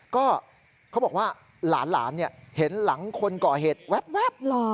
ก็เขาบอกว่าหลานเห็นหลังคนก่อเหตุแว๊บเหรอ